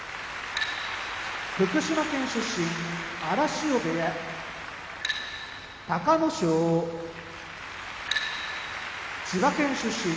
福島県出身荒汐部屋隆の勝千葉県出身常盤山部屋豊昇